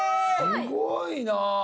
すごいなぁ。